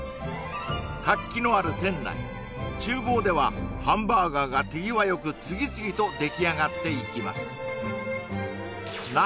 活気のある店内厨房ではハンバーガーが手際よく次々とできあがっていきます